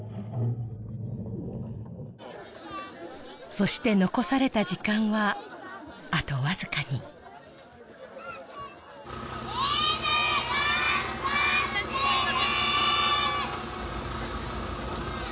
そして残された時間はあとわずかにリブ頑張ってね！